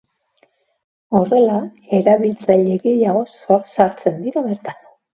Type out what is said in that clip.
Horrela, erabiltzaile gehiago sartzen dira bertan.